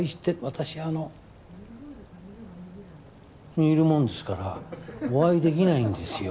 私あのにいるもんですからお会いできないんですよ。